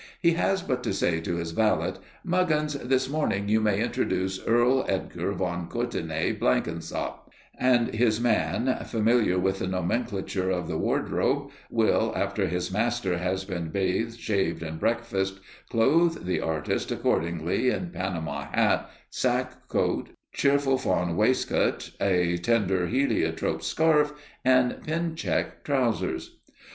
He has but to say to his valet: "Muggins, this morning you may introduce Earl Edgar von Courtenay Blenkinsopp," and his man, familiar with the nomenclature of the wardrobe, will, after his master has been bathed, shaved and breakfasted, clothe the artist accordingly in Panama hat, sack coat, cheerful fawn waistcoat, a tender heliotrope scarf and pin check trousers.